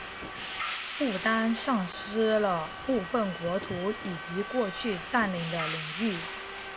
不丹丧失了部分国土以及过去占领的领域。